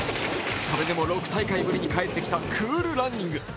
それでも６大会ぶりに帰ってきたクールランニング。